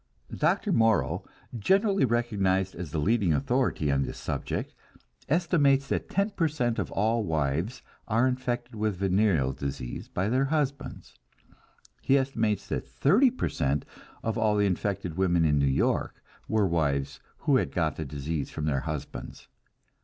Dr. Morrow, generally recognized as the leading authority on this subject, estimates that ten per cent of all wives are infected with venereal disease by their husbands; he estimates that thirty per cent of all the infected women in New York were wives who had got the disease from their husbands.